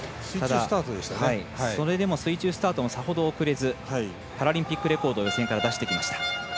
それでも水中スタートもさほど遅れずパラリンピックレコードを予選から出してきました。